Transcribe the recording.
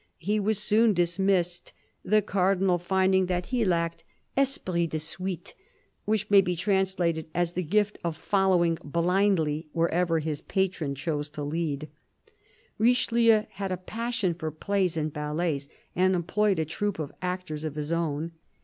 He was soon dismissed, the Cardinal finding that he lacked " esprit 246 CARDINAi. DE RICHELIEU de suite "; which may be translated as the gift of following blindly wherever his patron chose to lead. Richelieu had a passion for plays and ballets, and employed a troup of actors of his own.